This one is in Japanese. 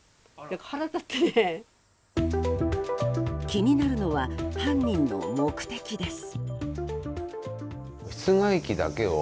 気になるのは犯人の目的です。